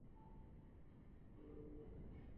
আমি মরতে ভয় করি নে।